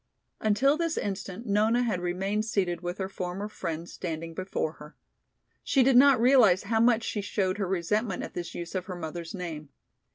Until this instant Nona had remained seated with her former friend standing before her. She did not realize how much she showed her resentment at this use of her mother's name.